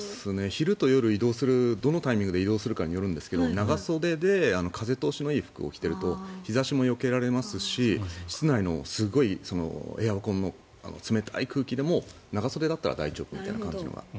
昼と夜、移動するどのタイミングで移動するかによるんですが長袖で風通しのよい服を着ていると日差しも避けられますし室内のすごいエアコンの冷たい空気でも長袖だったら大丈夫みたいな感じが。